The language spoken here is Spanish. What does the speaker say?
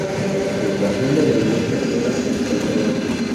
El patrón de la iglesia era San Salvador.